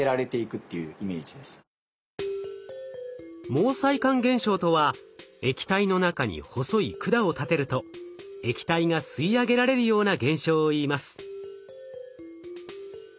毛細管現象とは液体の中に細い管を立てると液体が吸い上げられるような現象をいいます。